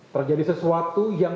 terjadi sesuatu yang